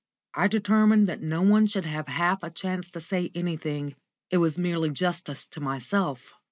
I determined that no one should have half a chance to say anything. It was merely justice to myself.